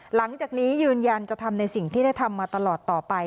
หลังจากนี้ยืนยันจะทำในสิ่งที่ได้ทำมาตลอดต่อไป